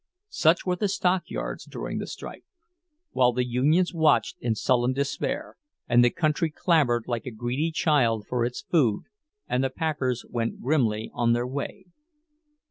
Such were the stockyards during the strike; while the unions watched in sullen despair, and the country clamored like a greedy child for its food, and the packers went grimly on their way.